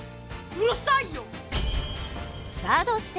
うるさいよ！